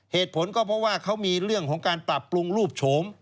เหตุผลก็เพราะว่าเขามีเรื่องของการปรับปรุงรูปโฉม